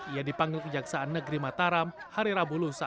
ia dipanggil kejaksaan negeri mataram hari rabu lusa